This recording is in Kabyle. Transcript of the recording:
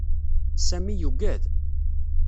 Sami yuggad.